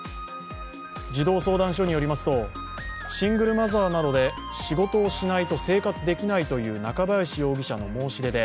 児童相談所によりますとシングルマザーなどで仕事をしないと生活できないという中林容疑者の申し出で